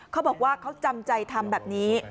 เขาบอกว่าเขาจำใจทำแบบนี้